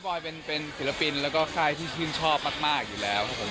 อยเป็นศิลปินแล้วก็ค่ายที่ชื่นชอบมากอยู่แล้วครับผม